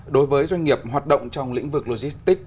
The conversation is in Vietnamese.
đối với doanh nghiệp hoạt động trong lĩnh vực logistics